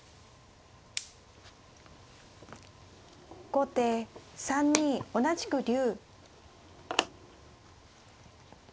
後手３二同じく竜。